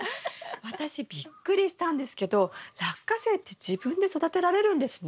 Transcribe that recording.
私びっくりしたんですけどラッカセイって自分で育てられるんですね。